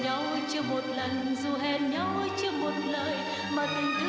đã cháy cho tôi cơn mơ